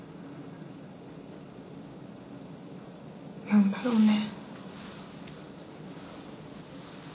何だろうね。